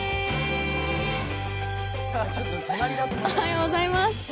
おはようございます。